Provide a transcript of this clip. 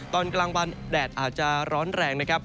ตอนกลางวันแดดอาจจะร้อนแรงนะครับ